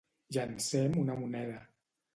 Llancem una moneda.